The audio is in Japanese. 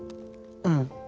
うん。